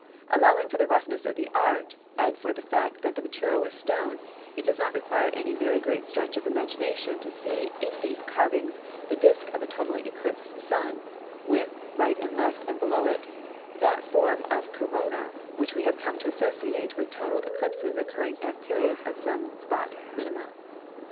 Allowing for the roughness of the art, and for the fact that the material was stone, it does not require any very great stretch of imagination to see in these carvings the disc of a totally eclipsed Sun with, right and left and below it, that form of corona which we have come to associate with total eclipses occurring at periods of Sun spot minima.